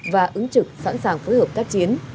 và ứng trực sẵn sàng phối hợp tác chiến